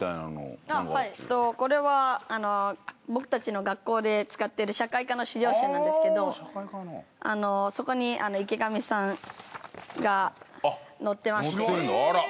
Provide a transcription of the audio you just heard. はいこれは僕たちの学校で使っている社会科の資料集なんですけどそこに池上さんが載ってまして。